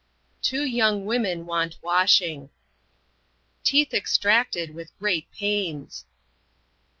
Two young women want washing. Teeth extracted with great pains.